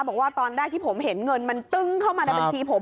บอกว่าตอนแรกที่ผมเห็นเงินมันตึ้งเข้ามาในบัญชีผม